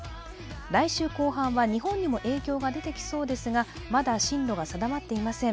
来週後半は、日本にも影響が出てきそうですが、まだ進路は定まっていません。